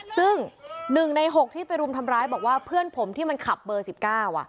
ซึ่งหนึ่งในหกที่ไปรุมทำร้ายบอกว่าเพื่อนผมที่มันขับเบอร์สิบเก้า